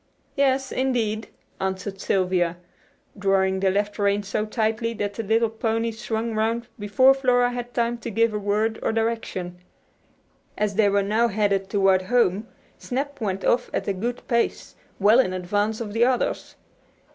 "Yes, indeed," answered Sylvia, drawing the left rein so tightly that the little pony swung round before Flora had time to give a word of direction. As they were now headed toward home "Snap" went off at a good pace, well in advance of the others.